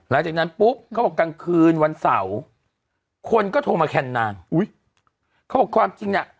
หลังจากนั้นปุ๊บเขาบอกกลางคืนวันเสาร์คนก็โทรมาแคนนางอุ้ยเขาบอกความจริงเนี่ย